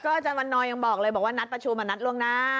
ก็จะวันนอย่างบอกเลยบอกว่านัดประชุมอะนัดล่วงหน้า